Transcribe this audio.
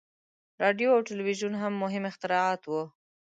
• راډیو او تلویزیون هم مهم اختراعات وو.